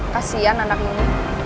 kasian anak ini